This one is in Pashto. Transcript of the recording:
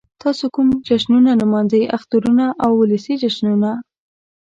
تاسو کوم جشنونه نمانځئ؟ اخترونه او ولسی جشنونه